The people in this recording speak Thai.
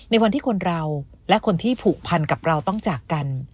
ในวันที่คนเราและคนที่ผูกพันกับเราต้องจากกัน